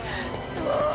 そう！